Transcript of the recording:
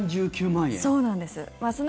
そうなんです。